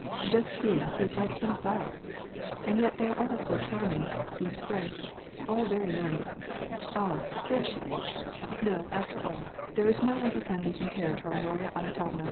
^' Just see, he is like some tsar ! And yet they are all so charming, — these French, — all very nice. Ah ! and there she is ! No, after all, there is no one who can be compared to our Marya Anton ovna.